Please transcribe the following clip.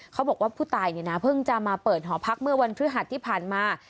เขาบอกว่าผู้ตายเนี่ยนะเพิ่งจะมาเปิดหอพักเมื่อวันพฤหัสที่ผ่านมา